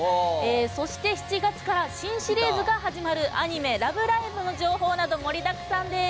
そして７月から新シリーズが始まるアニメ「ラブライブ！」の情報など、盛りだくさんです。